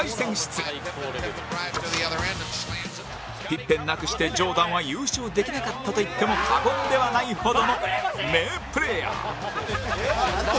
ピッペンなくしてジョーダンは優勝できなかったと言っても過言ではないほどの名プレーヤー